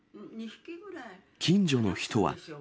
近所の人は。